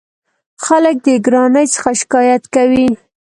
خلک د ګرانۍ څخه شکایت کوي.